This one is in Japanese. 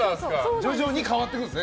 徐々に変わっていくんですね。